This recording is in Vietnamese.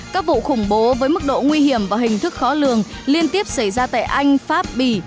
các vụ khủng bố với mức độ nguy hiểm và hình thức khó lường liên tiếp xảy ra tại anh pháp bỉ